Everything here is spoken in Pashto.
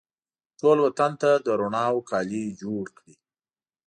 ټول وطن ته د روڼاوو کالي جوړکړي